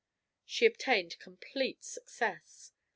She obtained complete success.